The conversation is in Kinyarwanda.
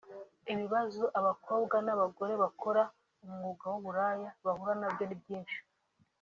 Ibibazo abakobwa n’abagore bakora umwuga w’uburaya bahura nabyo ni byinshi